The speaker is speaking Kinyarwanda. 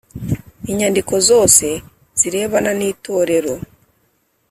Inyandiko zose zirebana n itorero